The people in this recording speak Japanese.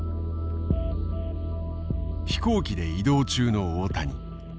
飛行機で移動中の大谷。